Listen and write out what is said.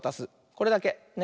これだけ。ね。